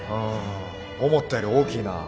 思ったより大きいなぁ。